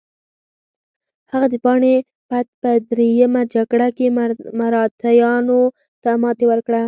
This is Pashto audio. هغه د پاني پت په دریمه جګړه کې مراتیانو ته ماتې ورکړه.